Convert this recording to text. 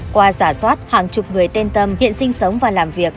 qua giả soát hàng chục người tên tâm hiện sinh sống và làm việc